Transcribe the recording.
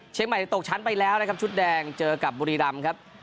เชียงใหม่ตกชั้นไปแล้วนะครับชุดแดงเจอกับบุรีรัมครับ